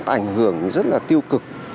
ảnh hưởng rất là tiêu cực